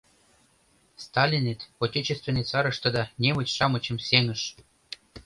— Сталинет Отечественный сарыштыда немыч-шамычым сеҥыш.